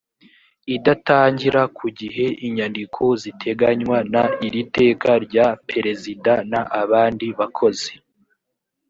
idatangira ku gihe inyandiko ziteganywa n iri iteka rya perezida n abandi bakozi